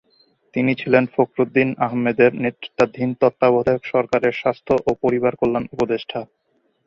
তিনি ছিলেন ফখরুদ্দীন আহমেদের নেতৃত্বাধীন তত্ত্বাবধায়ক সরকারের স্বাস্থ্য ও পরিবার কল্যাণ উপদেষ্টা।